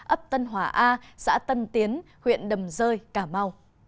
ấp tân hòa a xã tân tiến huyện đầm rơi cà mau